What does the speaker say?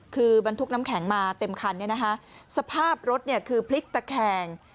คือบรรทุกน้ำแข็งมาเต็มคันสภาพรถคือพลิกตะแข็ง